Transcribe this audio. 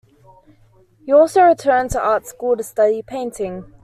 He also returned to art school to study painting.